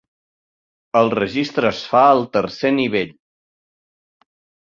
El registre es fa el tercer nivell.